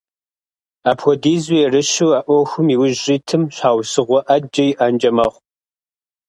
Апхуэдизу ерыщу а Ӏуэхум иужь щӀитым щхьэусыгъуэ Ӏэджэ иӀэнкӀэ мэхъу.